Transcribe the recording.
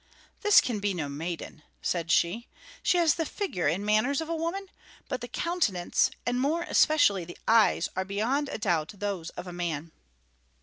"This can be no maiden," said she. "She has the figure and manners of a woman, but the countenance, and more especially the eyes, are beyond a doubt those of a man."